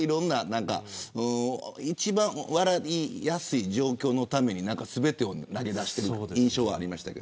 一番笑いやすい状況のために全てを投げ出している印象はありました。